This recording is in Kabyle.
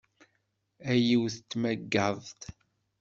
A yiwet n tmagadt!